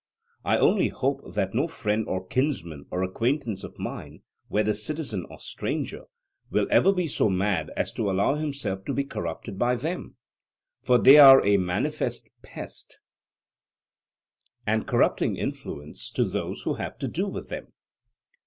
I only hope that no friend or kinsman or acquaintance of mine, whether citizen or stranger, will ever be so mad as to allow himself to be corrupted by them; for they are a manifest pest and corrupting influence to those who have to do with them.